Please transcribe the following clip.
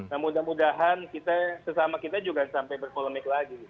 nah mudah mudahan kita sesama kita juga sampai berpolemik lagi